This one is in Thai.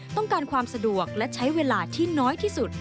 ต้องการความสะดวกและใช้เวลาที่น้อยที่สุด